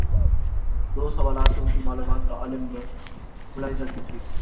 دو سوالات سے ان کی معلومات کا عالم ملاحظہ کیجیے۔